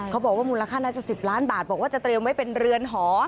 มูลค่าน่าจะ๑๐ล้านบาทบอกว่าจะเตรียมไว้เป็นเรือนหอ